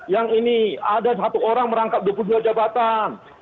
yang ini ada satu orang merangkap dua puluh dua jabatan